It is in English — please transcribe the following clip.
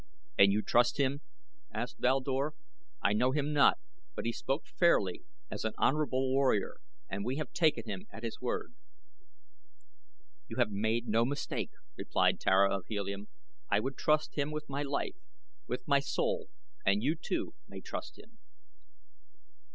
"And you trust him?" asked Val Dor. "I know him not; but he spoke fairly, as an honorable warrior, and we have taken him at his word." "You have made no mistake," replied Tara of Helium. "I would trust him with my life with my soul; and you, too, may trust him."